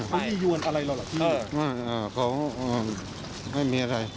ไม่มียวนอะไรเหรอล่ะพี่ไม่เขาไม่มีอะไร